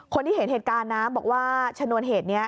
คนที่เห็นเหตุการณ์นะบอกว่าชนวนเหตุนี้